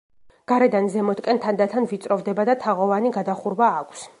გარედან ზემოთკენ თანდათან ვიწროვდება და თაღოვანი გადახურვა აქვს.